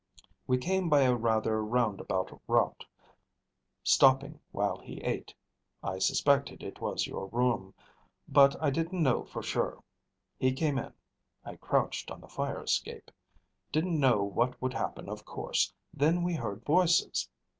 We came by a rather roundabout route, stopping while he ate. I suspected it was your room, but I didn't know for sure. He came in. I crouched on the fire escape. Didn't know what would happen, of course. Then we heard voices.